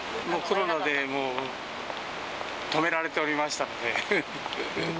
もうコロナで、もう止められておりましたので。